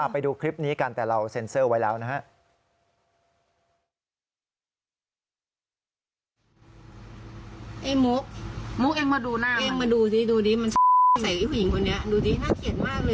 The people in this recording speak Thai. ไปดูคลิปนี้กันแต่เราเซ็นเซอร์ไว้แล้วนะครับ